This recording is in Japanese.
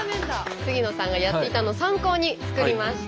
杉野さんがやっていたのを参考に作りました。